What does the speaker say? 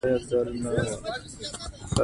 په برخه کښی باید د خځو ونډه ځیاته شی